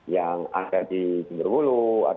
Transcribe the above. yang ada di jenderal wulu